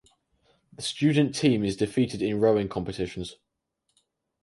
The student team is defeated in rowing competitions.